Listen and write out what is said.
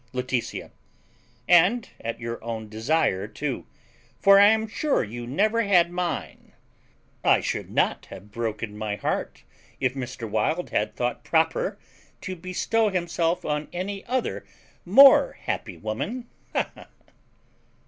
Laetitia. And at your own desire too; for I am sure you never had mine. I should not have broken my heart if Mr. Wild had thought proper to bestow himself on any other more happy woman. Ha, ha!